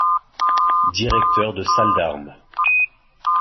Directeur de salle d'armes.